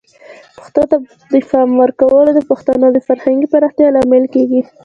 پښتو ته د پام ورکول د پښتنو د فرهنګي پراختیا لامل کیږي.